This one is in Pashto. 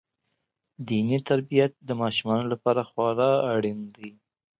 دیني تربیت د ماشومانو لپاره خورا اړین دی.